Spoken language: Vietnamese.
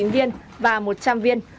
bốn mươi chín viên và một trăm linh viên